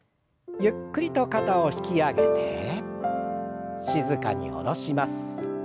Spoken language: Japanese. ゆっくりと肩を引き上げて静かに下ろします。